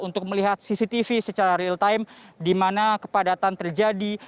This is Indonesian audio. untuk melihat cctv secara real time di mana kepadatan terjadi